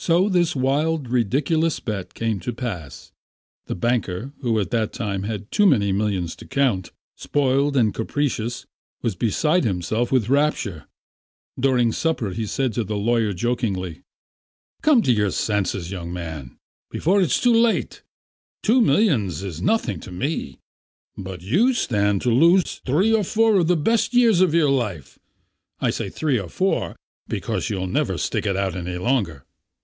So this wild, ridiculous bet came to pass. The banker, who at that time had too many millions to count, spoiled and capricious, was beside himself with rapture. During supper he said to the lawyer jokingly: "Come to your senses, young roan, before it's too late. Two millions are nothing to me, but you stand to lose three or four of the best years of your life. I say three or four, because you'll never stick it out any longer.